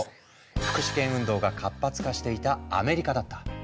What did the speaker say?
福祉権運動が活発化していたアメリカだった。